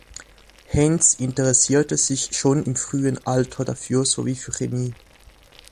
Haynes interessierte sich schon im frühen Alter dafür sowie für Chemie.